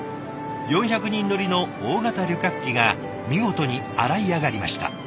４００人乗りの大型旅客機が見事に洗い上がりました。